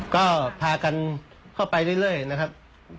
ก็พากันเข้าไปเรื่อยนะครับ